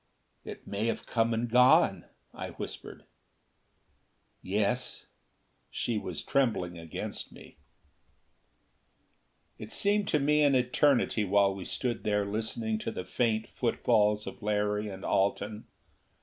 "It may have come and gone," I whispered. "Yes." She was trembling against me. It seemed to me an eternity while we stood there listening to the faint footfalls of Larry and Alten.